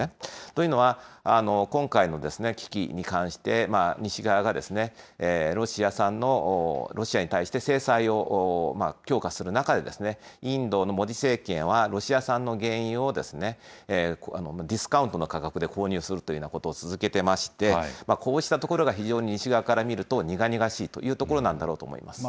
というのは、今回の危機に関して、西側が、ロシアに対して制裁を強化する中で、インドのモディ政権はロシア産の原油をディスカウントの価格で購入するというようなことを続けてまして、こうしたところが非常に、西側から見ると、苦々しいというところなんだと思います。